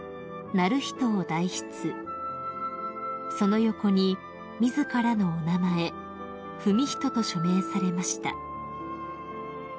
「徳仁」を代筆その横に自らのお名前「文仁」と署名されました］